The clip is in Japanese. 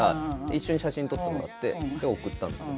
一緒に写真撮ってもらって送ったんですよ。